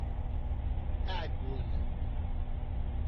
Aɛeggun!